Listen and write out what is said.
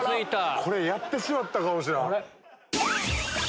これやってしまったかもしらん。